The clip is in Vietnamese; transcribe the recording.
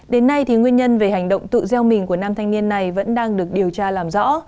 đến nay nguyên nhân về hành động tự gieo mình của nam thanh niên này vẫn đang được điều tra làm rõ